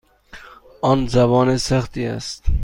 آن زبان سختی است.